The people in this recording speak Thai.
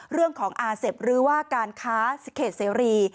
เรื่องของอาเซฟหรือว่าการค้าเขตเสรี